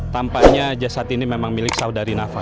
tampaknya jasad ini memang milik saudari nafas